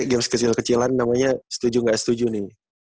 game kecil kecilan namanya setuju ga setuju nih